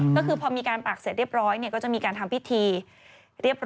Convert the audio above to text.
ก็คือพอมีการปักเสร็จเรียบร้อยก็จะมีการทำพิธีเรียบร้อย